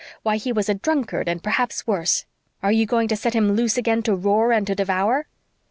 "Why, he was a drunkard and perhaps worse. Are you going to set him loose again to roar and to devour?"